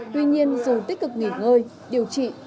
tuy nhiên dù tích cực nghỉ ngơi điều trị